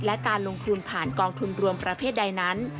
และการลงทุนผ่านกองทุนรวมประเภทใดนั้น